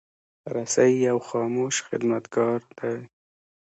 رسۍ یو خاموش خدمتګار دی.